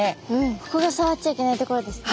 ここがさわっちゃいけないところですね。